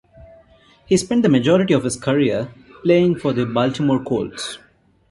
He spent the majority of his career playing for the Baltimore Colts.